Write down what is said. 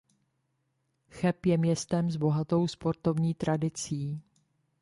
Cheb je městem s bohatou sportovní tradicí.